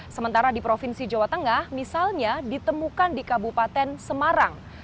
sementara di provinsi jawa tengah misalnya ditemukan di kabupaten semarang